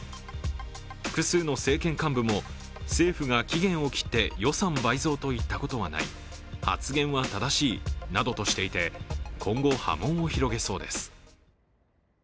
複数の政権幹部も、政府が期限を切って予算倍増と言ったことはない、発言は正しいなどとしていて、今後波紋を広げそうです。